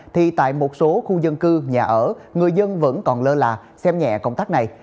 thì tại một số khu dân cư nhà ở người dân vẫn còn lơ là xem nhẹ công tác này